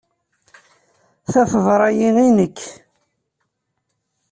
Ta teḍra-iyi i nekk.